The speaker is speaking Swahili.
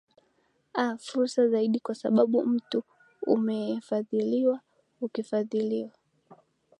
a fursa zaidi kwa sababu mtu umefadhiliwa ukifadhiliwa